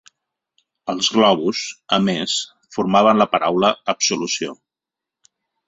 Els globus, a més, formaven la paraula ‘absolució’.